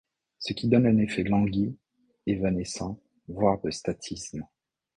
Ce qui donne un effet langui, évanescent, voire de statisme.